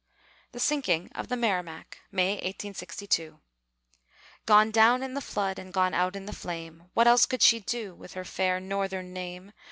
THE SINKING OF THE MERRIMACK [May, 1862] Gone down in the flood, and gone out in the flame! What else could she do, with her fair Northern name?